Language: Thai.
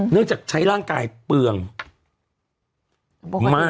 เนื่องจากใช้ร่างกายเปลืองมาก